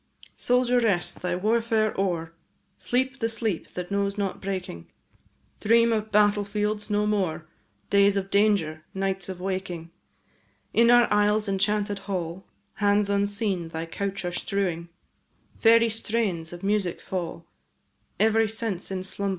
Soldier, rest! thy warfare o'er, Sleep the sleep that knows not breaking; Dream of battle fields no more, Days of danger, nights of waking. In our isle's enchanted hall, Hands unseen thy couch are strewing, Fairy strains of music fall, Every sense in slumber dewing. Soldier, rest!